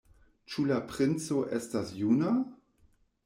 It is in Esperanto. Ĉu la princo estas juna?